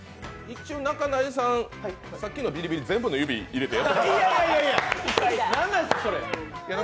一瞬、中谷さん、さっきのビリビリに全部の指入れて。